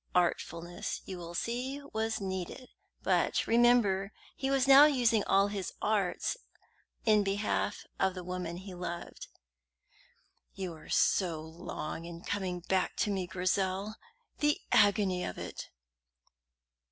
Artfulness, you will see, was needed; but, remember, he was now using all his arts in behalf of the woman he loved. "You were so long in coming back to me, Grizel. The agony of it!"